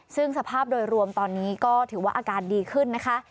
ซึ่งสภาพโดยรวมตอนนี้ก็ถือว่าอาการดีขึ้นนะคะ